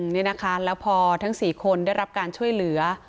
นี่นะคะแล้วพอทั้ง๔คนได้รับการช่วยเหลือ